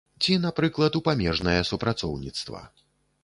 Ці, напрыклад, у памежнае супрацоўніцтва.